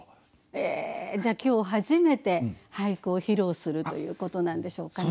えじゃあ今日初めて俳句を披露するということなんでしょうかね。